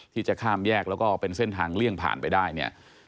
ที่จะข้ามแยกแล้วก็เป็นเส้นทางเลี่ยงผ่านไปได้เนี่ย